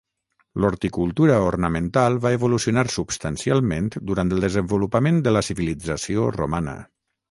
L'horticultura ornamental va evolucionar substancialment durant el desenvolupament de la civilització romana.